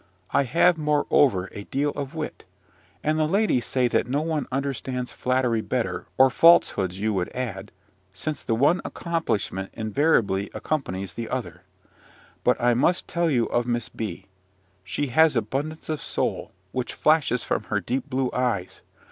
I have, moreover, a deal of wit: and the ladies say that no one understands flattery better, or falsehoods you will add; since the one accomplishment invariably accompanies the other. But I must tell you of Miss B . She has abundance of soul, which flashes from her deep blue eyes.